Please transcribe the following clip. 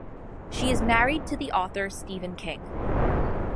She is married to the author Stephen King.